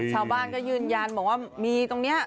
ชาวบ้านก็ยืนยันบอกว่ามีตรงนี้